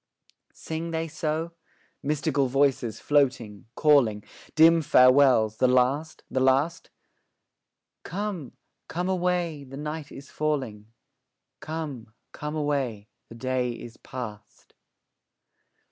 Sing they so? Mystical voices, floating, calling; Dim farewells the last, the last? Come, come away, the night is falling; 'Come, come away, the day is past.'